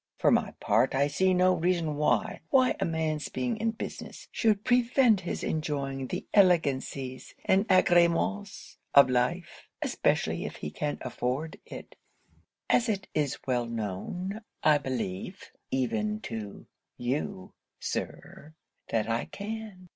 For my part I see no reason why why a man's being in business, should prevent his enjoying the elegancies and agréments of life, especially if he can afford it; as it is well known, I believe, even to you, Sir, that I can.'